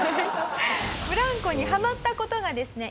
ブランコにはまった事がですね